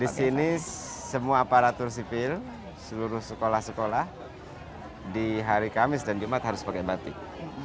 di sini semua aparatur sipil seluruh sekolah sekolah di hari kamis dan jumat harus pakai batik